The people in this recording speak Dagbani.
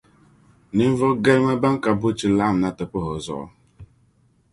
ninvuɣu galima bɛn ka buchi laɣim na ti pahi o zuɣu.